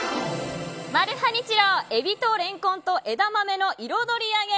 マルハニチロえびとれんこんと枝豆の彩り揚げ